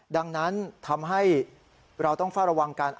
ดังนั้นทำให้เราต้องเฝ้าระวังกัน